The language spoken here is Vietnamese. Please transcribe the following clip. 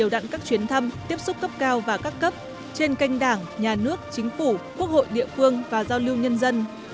đặng các chuyến thăm tiếp xúc cấp cao và các cấp trên kênh đảng nhà nước chính phủ quốc hội địa phương và giao lưu nhân dân